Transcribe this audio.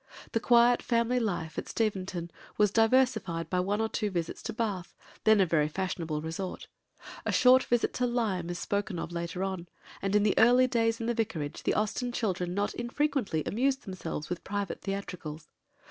The quiet family life at Steventon was diversified by one or two visits to Bath, then a very fashionable resort; a short visit to Lyme is spoken of later on; and in the early days in the vicarage the Austen children not infrequently amused themselves with private theatricals.